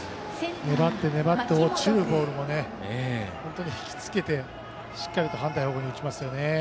粘って粘って落ちるボールを引きつけて、しっかりと反対方向に打ちますね。